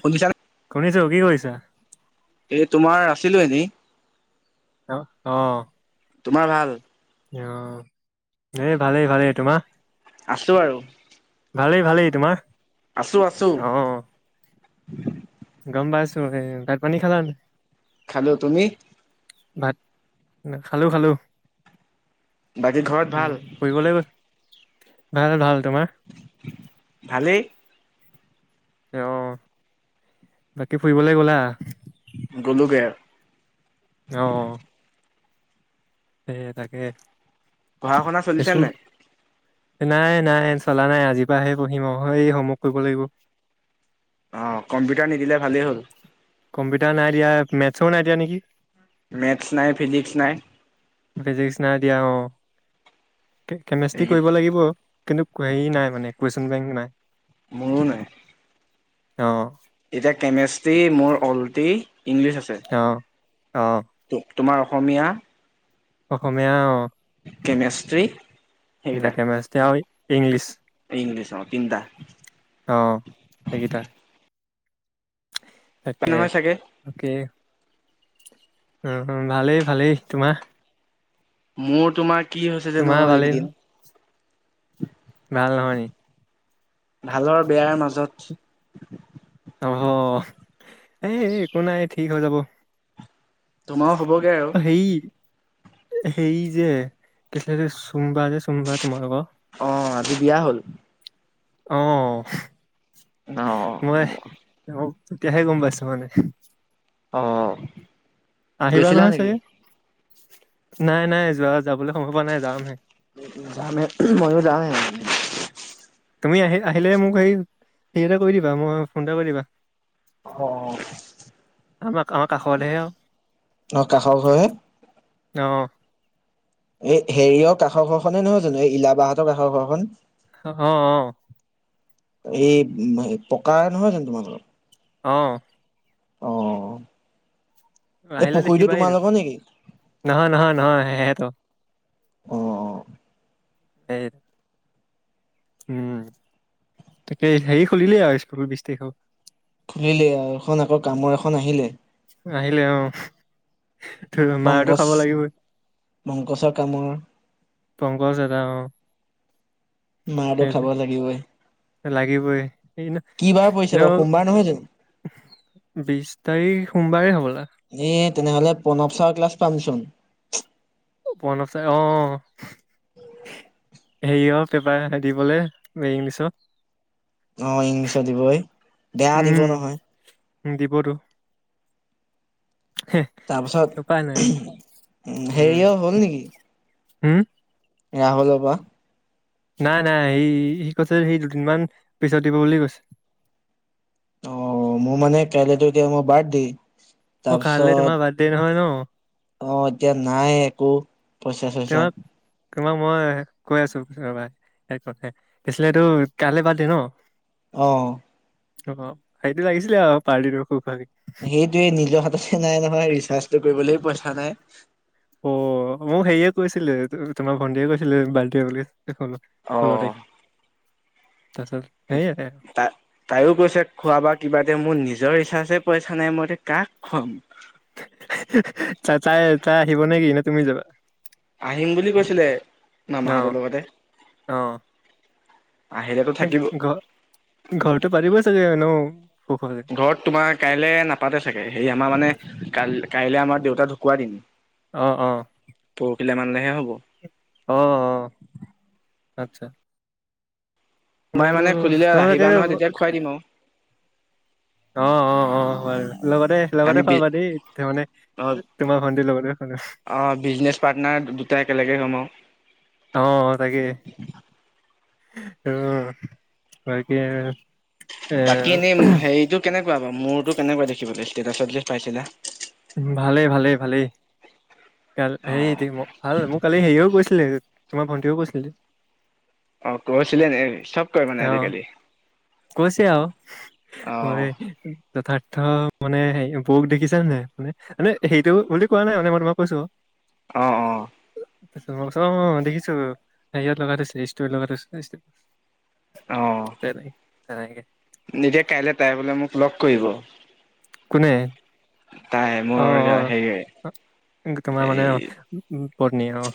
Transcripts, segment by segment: শুনিছা নে? শুনিছো, কি কৰিছা? এই তোমাৰ আছিলো এনেই। অঁ, অঁ। তোমাৰ ভাল? অঁ, এনেই ভালেই, ভালেই তোমাৰ? আছোঁ আৰু। ভালেই, ভালেই তোমাৰ? আছোঁ, আছোঁ। অ গম পাইছো, হেই ভাত-পানী খালা নে? খালোঁ, তুমি? ভাত, খালো, খালো বাকী ঘৰত উম। ভাল? ফুৰিব লাগিব। ভাল, ভাল তোমাৰ? ভালেই। এ অঁ, বাকী ফুৰিবলে গ'লা? গ'লোগে আও। অঁ, অঁ। হে হে তাকে। পঢ়া-শুনা চলছে স্কুল নাই? নাই নাই চলা নাই। আজিৰ পৰাহে বহিম আও, এই হোমৱৰ্ক কৰিব লাগিব। অঁ, কম্পিউটাৰ নিদিলে ভালেই হ'ল। কম্পিউটাৰ নাই দিয়া, মেথচো নাই দিয়া নেকি? মেথছ নাই, ফিজিক্স নাই। ফিজিক্স নাই দিয়া অঁ, কে কেমেষ্ট্ৰি এইকেইটা কৰিব লাগিব। কিন্তু হেৰি নাই মানে, কুৱেইছন বেংক নাই। মোৰো নাই। অঁ। এতিয়া কেমেষ্ট্ৰি মোৰ অল্টি ইংলিছ আছে। অঁ, অঁ। তো--তোমাৰ অসমীয়া অসমীয়া অঁ, কেমেষ্ট্ৰি এতিয়া কেমেষ্টি আৰু ইংলিছ। ইংলিছৰ তিনটা। অঁ, সেইকেইটাই। তাকে, নহয় চাগে তাকে উম, ওঁ ভালেই ভালেই, তোমাৰ? মোৰ তোমাৰ, কি হৈছে জানো তোমাৰ ভালেই ন এইকদিন? ভাল নহয় নি? ভালৰ, বেয়াৰ মাজত। অ হ্ এই একো নাই, ঠিক হৈ যাব। তোমাও হ'বগে আৰু? হেই, হেই যে, কি আছিলে যে? চুমি বা চুমি বা যে তোমালোকৰ অঁ, আজি বিয়া হ'ল। অঁ, অ', মই অ তেতিয়াহে গম পাইছো মানে। অঁ। আহিবা নহয় চাগে, নাই নাই যোৱা যাবলৈ সময় পোৱা নাই, যামহে। যামহে ময়ো যামহে। তুমি আহি আহিলে মোক সেই সেই এটা কৰি দিবা মই ফোন এটা কৰি দিবা। অ' অ' আমাক আমাৰ কাষৰতেহে আৰু অ কাষৰ ঘৰহে। অঁ। এই হেৰিয়ৰ কাষৰ ঘৰখনে নহয় জানো, এই ইলাবাহঁতৰ কাষৰ ঘৰখন? অঁ অঁ। এই সেই ম পকা নহয় জানো তোমালোকৰ? অঁ। অঁ। এই আহিলে পুখুৰীটো দেখিবাই তুমি তোমালোকৰ নেকি? নহয়, নহয়, নহয় সেহেঁতৰ অ', এই উম তাকে হেৰি খুলিলেই আও স্কুলৰ বিশ তাৰিখত খুলিলে আও এখন আকৌ কামৰ এখন আহিলে। আহিলে অঁ। তোৰ মাৰটো পংকজ খাব লাগিবই। পংকজৰ কামৰ পংকজ এটা অঁ। মাৰটো খাব লাগিবই। লাগিবই [unintelligible] এটো পাৰ নহয় জানো? বিশ তাৰিখ সোমবাৰে হ'বলা। এ তেনেহ'লে প্ৰণৱ ছাৰৰ ক্লাছ পামচোন। ও পনৱ চাৰ অঁ অঁ অঁ। হেৰি অঁ পেপাৰ কাতিবলে ইংলিছত। অঁ ইংলিছত দিবয়ে। উম দিবতো হেহ। তাৰপাছত হেৰিয় হ'ল নেকি? হুম। ৰাহুলৰ পা? নাই নাই এই সি কৈছে সেই দুদিন মান পিছত দিব বুলি কৈছে। অঁ, মোৰ মানে কাইলেতো এতিয়া মই বাৰ্থদে। অঁ, কাললে তোমাৰ বাথ্ৰদে নহয় ন? অঁ, এতিয়া নাই একো পইচা চইচা। তোমাৰ তোমাক মই কৈ আছো ৰবা। কি দিলে তোৰ কাইলে টো বাথ্ৰদে ন? অ' অঁ অঁ। সেইটো লাগিছিলে আও পাৰ্টিটো সুখ ভাবি। সেইটোয়েই নিজৰ হাততে নাই নহয়, ৰিচাৰ্জটো কৰিবলৈও পইচা নাই। অ' মোক হেইয়ে কৈছিলে, তোমাৰ ভন্টিয়ে কৈছিলে বাথ্ৰদে বুলি এখনত অ ষোল্ল তাৰিখ। তাছত হেইয়াতে। তা তাইও কৈছে খোৱা বা কিবা দে, মোৰ নিজৰ ৰিচাজে পইচা নাই মই এতিয়া কাক খুৱাম? [unintelligible] তাই তাই তাই আহিব নেকি নে তুমি যাবা? আহিম বুলি কৈছিলে, অ মামাহঁতৰ লগতে। আহিলেতো ত থাকিব ঘ ঘৰটো পাৰিব চাগে এনও সুখৰে। ঘৰত তোমাৰ কাইলে নাপাতে চাগে সেই আমাৰ মানে কাল কাইলে আমাৰ দেউতা ঢুকুৱা দিন। অ অ। পৰহিলে মানেহে হ'ব। অ অ, আচ্ছা। মই বোলো মানে খুলিলে তোমালোকে আহিবা নহয় তেতিয়া খুৱাই দিম আৰু। অ অ অ হয় লগতে লগতে আমি বি খোৱাবা দেই ত মানে, তোমাৰ ভণ্টিৰ লগতে মানে। অ বিজনেছ পাৰ্টনাৰ দুটাই একেলগে হ'ম আৰু। অ তাকে, উম তাকে। বাকী এনেই হেৰিতটো কেনেকুৱা বাৰু মোৰতো কেনেকুৱা দেখিবলৈ ইষ্টেটাষ্ট পাইছিলা। ভালেই ভালেই ভালেই, গাল হেৰি অঁ টো মোক ভাল মোক কালি হেৰিও কৈছিলে। তোমাৰ ভণ্টিও কৈছিলে। অ কৈছিলে নে চব কয় মানে অ আজিকালি। কৈছে আৰু, অঁ মই তথাৰ্থ মানে সেই বৌক দেখিছা নে নাই? মানে সেইটো বুলি কোৱা নাই মানে মই তোমাক কৈছো। অ অ। অ অ দেখিছো হেৰীয়ত লগাই থৈছিলে ইষ্টৰিত লগাই। তেনে তেনেকে। সেনেকে কাইলে টাইম হলে মোক লগ কৰিব। কোনে। তাই অ মোৰ অ হেৰি। তোমাৰ মানে, এই পত্নী আও।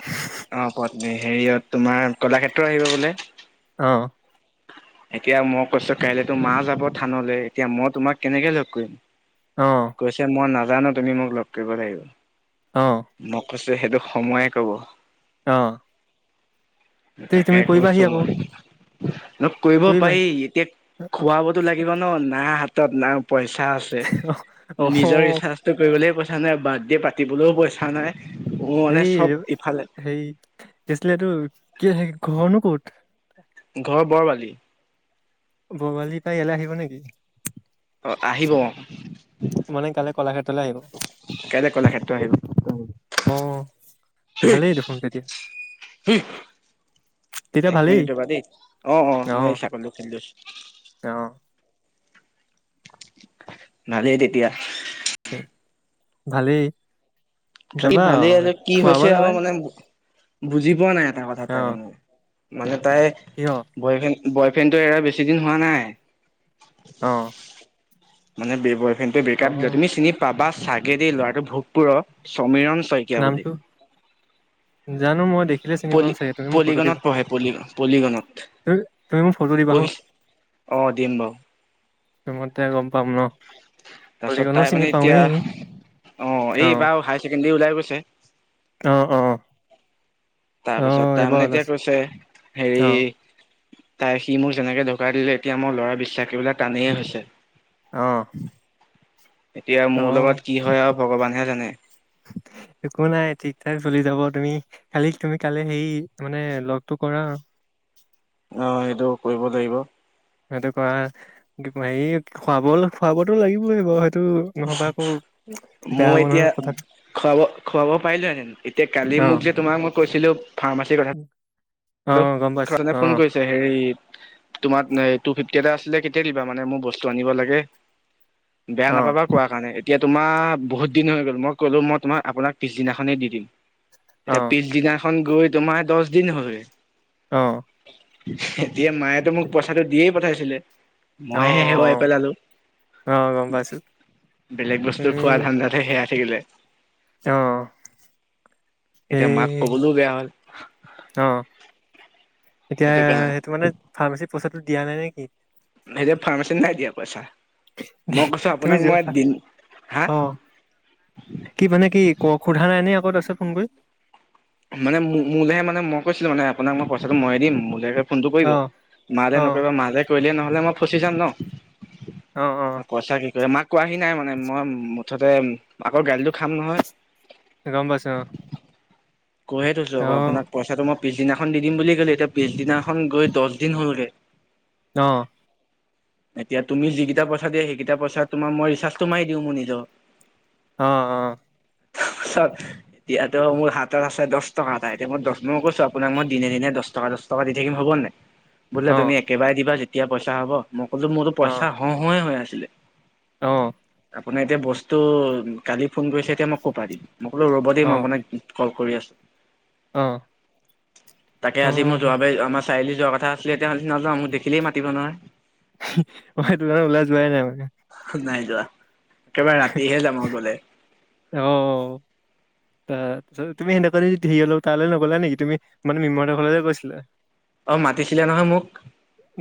অ পত্নী হেৰিয়ত তোমাৰ কলাক্ষেত্ৰ আহিব বোলে। অহ। এতিয়া মই কৈছো কাইলৈ তো মা যাব থানলৈ এতিয়া মই তোমাক কেনেকে লগ কৰিম। অঁহ। কৈছে মই নাজানো তুমি মোক লগ কৰিব লাগিব। অহ। মই কৈছো সেইটো সময়ে ক'ব। অঁহ। তাকে কৰিবাহি কৈছোঁ আকৌ মই। লগ কৰিব কৰিবাহি পাৰি এতিয়া অ খোৱা ব টো লাগিব ন না হাতত না পইচা আছে। নিজৰ অ ৰিচাৰ্জটো কৰিবলৈ পইচা নাই বাৰ্থডে পাতিবলৈও পইচা নাই। মোৰ মানে চব ইফালে। সেই। কি আছিলে সিটো কি আছিলে ঘৰনো ক'ত? ঘৰ বৰ বালি। বৰালীৰ পৰা ইয়ালৈ আহিব নেকি? অ আহিব, মানে কাইলৈ কলাক্ষেত্ৰলৈ আহিব কাইলে কলাক্ষেত্ৰ আহিব। অ ভালেই দেখোন তেতিয়া [inaudible] তেতিয়া এক ভালেই মিনিটৰ ৰবা দেই অ অ মই চাগলী খেদি লৈছো। তেওঁ। ভালেই তেতিয়া। ভালেই। খালি যাবা ভালেই আৰু আছে কি খুৱাব হৈছে আমাৰ নালাগে মানে। বুজি পোৱা নাই এটা কথা অ তাই মানে, মানে তাই কিয় বয় ফ্ৰেণ্ড বয় ফ্ৰেণ্ডটো এৰা বেছি দিন হোৱা নাই। অঁ মানে বয় ফ্ৰেন্দটোৱে বেক অ আপ দিলে, তুমি চিনি পাবা চাগেদি ল'ৰাটো ভোগপুৰ সমীৰণ শই নামটো? জানো মই দেখিলে চিনি পাম পলি চাগে তুমি মোক ফটো পলিগনত দিবা। পঢ়ে পলি পলিগনত তুমি তুমি মোক ফোটো দিবা চোৱা। অঁ দিম বাও। অঁ মই তেতিয়া গম পাম ন। তাৰপিছত কলিকণো তাই চিনি মানে এতিয়া, পাওঁৱেই অঁ অ এইবাৰ হায়াৰ ছেকেণ্ডৰী ওলাই গৈছে। অ অ। অ তাৰপিছত এইবাৰ তাৰমানে এতিয়া ওলাইছে কৈছে, অ হেৰি তাই সি মোক যেনেকে ধকা দিলে এতিয়া মোৰ ল'ৰা বিশ্বাস কৰিবলৈ টানেই হৈছে। অ এতিয়া অ মোৰ লগত কি হয় আও ভগৱানহে জানে। [inaudible] একো নাই ঠিক ঠাক চলি যাব, তুমি খালি তুমি কালি সেই মানে লগতটো কৰা। অঁ, সেইটো কৰিব লাগিব। সেইটো কৰা হয়, এ কি কয় হেৰি খুৱাব খোৱাবতো লাগিবই বাৰু সেইটো নহ'বাক মই এতিয়া খুৱাব খুৱাব পাৰিলোহেতিন এতিয়া কালি অ মোক যে তোমাক মই কৈছিলো, ফাৰ্মাচীৰ কথা অ টো গম পাইছো কাৰণে অ ফোন কৰিছে হেৰিত তোমাৰ টু ফিফটি এটা আছিলে, কেতিয়া দিবা মানে মোৰ বস্তু আনিব লাগে বেয়া অ নাপাবা কোৱা কাৰণে এতিয়া তোমাৰ বহুত দিন হৈ গ'ল, মই ক'লো মই তোমাক আপোনাক পিছদিনাখনেই দি দিম। অ এতিয়া পিছদিনাখন গৈ তোমাৰ দশ দিন হয়। অঁ এতিয়া মায়েতো মোক পইচাটো দিয়েই পঠাইছিলে। অ অ মই হে হেৰুৱাই পেলালো, অ গম পাইছো বেলেগ বস্তু খোৱা ধান্দা তে সেৰাই থাকিলে। অঁ, এতিয়া মাক এই কবলৈও বেয়া হ'ল অঁ, এতিয়া সেইটো মানে ফাৰ্মাচী পইচাটো দিয়া নাই নেকি? এতিয়া ফাৰ্মাচীত নাই দিয়া পইচা। মই কৈছো তুমি আপোনাক, মই যোৱা- দিন হা অ কি মানে কি ক সোধা নাই নে আকৌ তাৰ পিছত ফোন কৰি। মানে মো মোলেহে মানে মই কৈছিলো মানে আপোনাক মই পইচাটো মই দিম মোলে ফোনটো কৰিব, অ মালে অ নকৰিবা মালে কৰিলে নহলে মই ফচি যাম ন। অঁ অঁ কৈছা কি কয়, মাক কোৱাহি নাই মানে মই মুঠতে আকৌ গালিটো খাম নহয়। গম পাইছোঁ অঁ। কৈয়ে থৈছোঁ আকৌ আপোনাক পইচাটো মই পিছদিনাখন দিম বুলি কলো। এতিয়া পিছদিনাখন গৈ দশ দিন হ'লগে। অঁ এতিয়া তুমি যিগিটা পইচা দিয়া, সেইকেইটা পইচা তোমাৰ মই ৰিচাৰ্জটো মাৰিদিওঁ মোৰ নিজৰ। অঁ [inaudible] এতিয়াতো মোৰ হাতত আছে, দছ টকা এটা এতিয়া মই দছ মই কৈছো আপোনাক মই দিনে দিনে দছ টকা দছ টকা দি থাকিম হবনে নাই, বুলে অ অ তুমি একেবাৰে দিবা যেতিয়া পইচা হ'ব মই ক'লো মোৰতো পইচা হও হয়ে হৈ আছিলে। অঁ আপোনাৰ এতিয়া বস্তু কালি ফোন কৰিছে এতিয়া মই কৰপৰা দিম মই ক'লো ৰ'ব দেইব অ মই আপোনাক, কল কৰি আছোঁ। অঁ তাকে আজি মই যোৱাবাৰ আমাৰ চাৰিআলি যোৱা কথা আছিলে এতিয়া নাযাওঁ মোক দেখিলেই মাতিব নহয়। অ সেইটো কাৰণে ওলাই যোৱাই নাই মানে, নাই যোৱা, একেবাৰে ৰাতিহে যাম আও গলে। অ তাৰপিছত তুমি [unintelligible] ধেৰি হল তালৈ নগলা নেকি তুমি মানে মৃন্ময় হতৰ ঘৰলৈ যে গৈছিলা। অঁ মাতিছিলে নহয় মোক।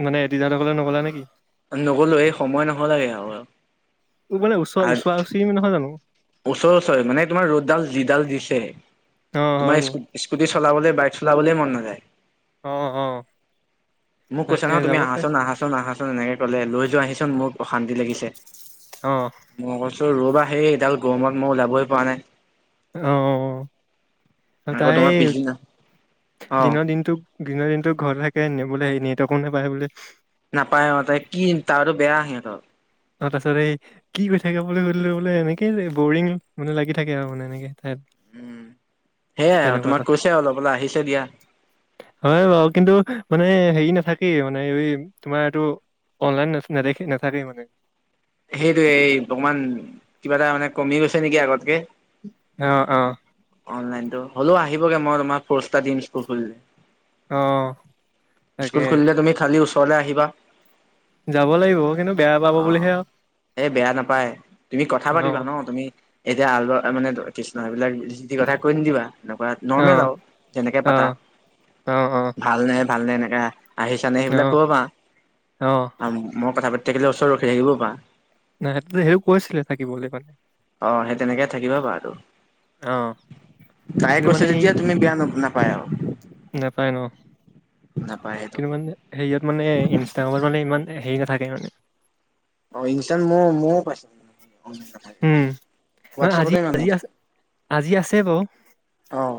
মানে [unintelligible] নগলা নেকি? নগ'লো এই সময় নহলেগে আৰু, আজ তুমি নহয় জানো? ওচৰে ওচৰে মানে তোমাৰ ৰ'দডাল যিডাল দিছে অ হয় তোমাৰ, বাৰু স্কুটি চলাবলৈ বাইক চলাবলৈ মন নাযায়। অ অ মোক কৈছে তাকে নহয় তুমি যাব পাৰি আহাচোন আহাচোন আহাচোন এনেকে কলে লৈ যোৱাহিচোন মোক অশান্তি লাগিছে। অ মই কৈছো ৰবাহে এইডাল গৰমত মই ওলাবই পৰা নাই। অ আৰু আকৌ তাই, তোমাৰ পিছদিনা অ দিনৰ দিনটো, দিনৰ দিনতো ঘৰতে থাকে বোলে হেৰি নেটৱৰ্ক নাপায় বোলে নাপায় অ তাই কি টাৱাৰটো বেয়া সিহঁতৰ, অঁ তাৰপাছত এই, কি কৈ থাকে বুলি সুধিলোঁ, বোলে এনেকে বৰিং মানে লাগি থাকে আৰু মানে এনেকে তাত। উম সেয়াই আৰু তেনেকুৱা তোমাক কথা কৈছে অলপ বোলে আহিছে দিয়া। হয় বাৰু কিন্তু মানে হেৰি নাথাকেই মানে এই তোমাৰ এইটো, অনলাইন নে - নেদেখে নেথাকে মানে। সেইটোৱে এই অকমান, কিবা এটা মানে, কমি গৈছে নেকি আগতকে, অ অ অনলাইনতো হ'লেও আহিবগে মই তোমাক পোষ্ট এটা দিম স্কুল খুলিলে। অ', তাকে স্কুল খুলিলে তুমি খালি ওচৰলে আহিবা। যাব লাগিব মই কিন্তু বেয়া পাব বুলিহে আৰু এ বেয়া নাপায় তুমি কথা পাতিবা অ', ন তুমি, এতিয়া আল বা মানে কৃষ্ণ এইবিলাক যি টি কথা কৈ নিদিবা এনেকুৱা, নৰ্মেল অ', আৰু যেনেকে পাতা, অ', অ', ভালনে ভালনে এনেকা, আহিছানে অ', সেইবিলাক অ', কব পাৰা অ', আৰু মই কথা পাতি থাকিলে ওচৰত ৰখি থাকিবও পাৰা। নাই সেতটো সেও কৈছিলে থাকিবলে কাৰণে, অ সে তেনেকে থাকিবা পাৰাটো। অ', তাই কিন্তু কৈছে মানে সেই তেতিয়া তুমি বেয়া ন নাপায় আৰু, নাপায় ন নাপায় সেইটো। কিন্তু মানে হেৰিয়ত মানে ইনষ্টাগ্ৰামত মানে ইমান হেৰি নাথাকে মানে। অ ইনষ্টাত মইও মইও পাইছো। নাথাকে উম না আজি হোৱাটছএপতো ইমান আজি আ নাথাকে আজি আছে বাৰু। অঁ।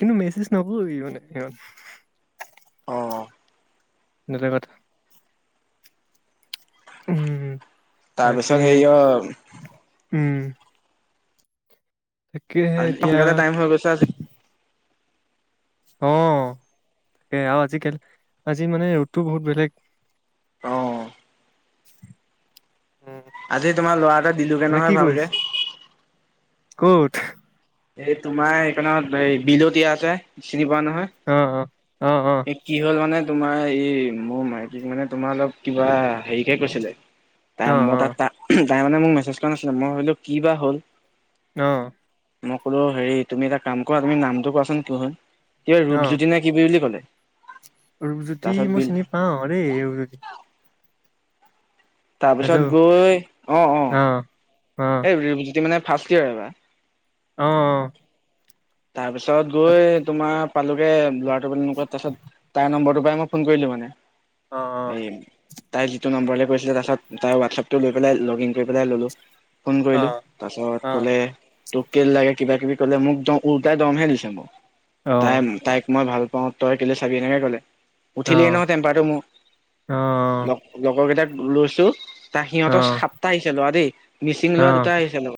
কিন্তু মেছেজ নকৰে মানে ইমান। অ'। এটা কথা উম বাকী তাৰপিছত হেৰি অ' উম তাকেহে আজি এতিয়া সোনকালে টাইম হৈ গৈছে আজি অ' তাকে আৰু আজিকালি আজি মানে ৰ'দটো বহুত বেলেগ। অ'। [inaudible] আজি তোমাৰ ল'ৰা এটাক দিলোগে এতিয়া কি নহয় কৰি আছ ভালকে। ক'ত? এই তোমাৰ এইকণত সেই বিল্লো দিয়া আছে চিনি পোৱা নহয়? অঁ অঁহ অঁ অঁহ। এই কি হ'ল মানে তোমাৰ এই মোৰ মাইকীক মানে তোমাৰ অলপ কিবা হেৰিকে কৈছিলে। তাই অ অ মই তা তাই মানে মোক মেছেজ কৰা নাছিলে মই ভাবিলোঁ কি বা হ'ল। অঁ। মই কলো হেৰি তুমি এটা কাম কৰা তুমি নামটো কোৱাচোন কি হয় কিবা অ ৰূপজ্যোতি নে কি বুলি ক'লে। ৰূপজ্যোতি তাৰপিছত মই বিল চিনি পাওঁ ৰে ৰূপজ্যোতি। হেল্ল' তাৰপিছত গৈ অঁ অঁ অ অ ৰূপজ্যোতি মানে ফাষ্ট ইয়াৰ এইবাৰ। অঁ অঁ। তাৰপিছত গৈ তোমাৰ পালোগে ল'ৰাটো পৰাই মানে তাৰপিছত তাৰ নম্বৰটো পাই মই ফোন কৰিলো মানে। অ অ এই তাই যিটো নম্বৰলে কৰিছিলে তাৰপিছত তাৰ হোৱাটছআপটো লৈ পেলাই লগইন কৰি পেলাই ল'লোঁ ফোন অ অ কৰিলোঁ তাৰপাছত ক'লে অ তোক কেলে লাগে কিবা কিবি কলে মোক দম উলটাই দমহে দিছে মোক তাই তাইক মই ভাল পাওঁ তই কেলে চাবি এনেকে কলে অ অ উঠিলেই নহয় টেম্পাৰটো মোৰ লগৰ কেইটাক লৈছো তা অ অ সিহঁতৰ সাতটা আহিছে ল'ৰা দেই মিচিং ল'ৰা অ দুটা আহিছে লগত।